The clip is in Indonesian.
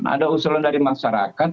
ada usulan dari masyarakat